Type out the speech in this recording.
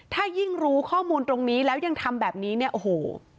ถ้ายิ่งรู้ข้อมูลตรงนี้แล้วยังทำแบบนี้เนี่ยโอ้โห